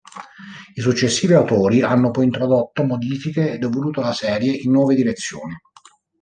I successivi autori hanno poi introdotto modifiche ed evoluto la serie in nuove direzioni.